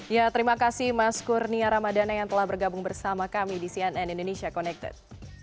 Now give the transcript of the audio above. ya terima kasih mas kurnia ramadana yang telah bergabung bersama kami di cnn indonesia connected